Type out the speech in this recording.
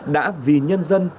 đã vì nhân dân